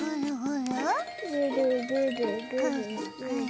ぐるぐるぐるぐる。